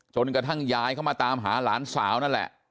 จนกระทั่งยายเข้ามาตามหาหลานสาวนั่นแหละ